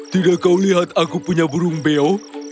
tidak kau lihat aku punya burung beo